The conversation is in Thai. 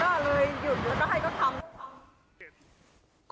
ได้ก็เลยหยุด